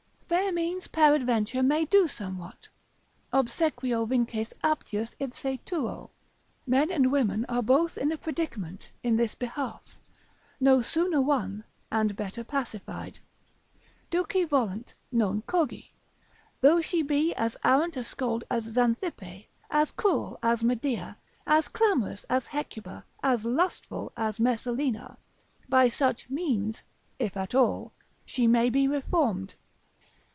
Fair means peradventure may do somewhat. Obsequio vinces aptius ipse tuo. Men and women are both in a predicament in this behalf, no sooner won, and better pacified. Duci volunt, non cogi: though she be as arrant a scold as Xanthippe, as cruel as Medea, as clamorous as Hecuba, as lustful as Messalina, by such means (if at all) she may be reformed.